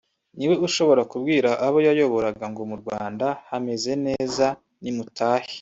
niwe ushobora kubwira abo yayoboraga ngo mu Rwanda hameze neza nimutahe